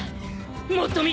・もっと右！